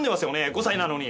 ５歳なのに！